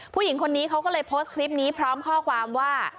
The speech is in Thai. ผู้หญิงคนนี้เขาก็เลยโพสต์คลิปนี้พร้อมข้อความว่า